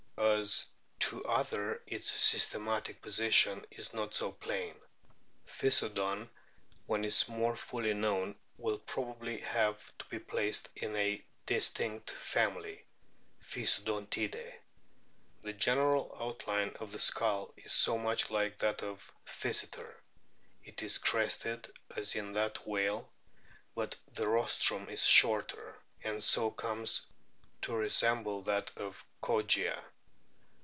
As to the other, its systematic position is not so plain. Physo don, when it is more fully known, will probably have to be placed in a distinct family, Physodontidae. The general outline of the skull is much like that of Physeter. It is crested, as in that whale, but the rostrum is shorter, and so comes to resemble that of Kogia.